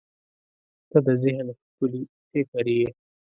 • ته د ذهن ښکلي فکر یې.